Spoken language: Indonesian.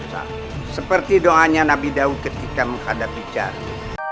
seperti doanya nabi daud ketika menghadapi cari